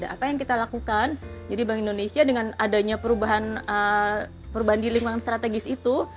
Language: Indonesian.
apa yang kita lakukan jadi bank indonesia dengan adanya perubahan di lingkungan strategis itu